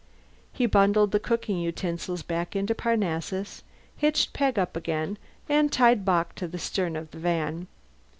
He bundled the cooking utensils back into Parnassus, hitched Peg up again, and tied Bock to the stern of the van.